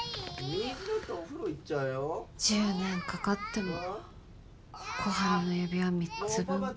１０年かかっても小春の指輪３つ分か。